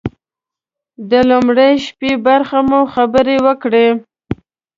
د لومړۍ شپې برخه مو خبرې وکړې.